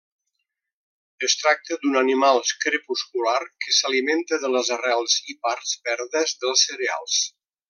Es tracta d'un animal crepuscular que s'alimenta de les arrels i parts verdes dels cereals.